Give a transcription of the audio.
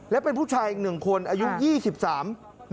และเป็นผู้ชายหนึ่งคนจะ๒๓ครับ